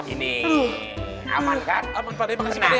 ini aman kan